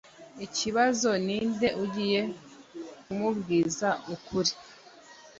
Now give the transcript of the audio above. Ikibazo ninde ugiye kumubwiza ukuri.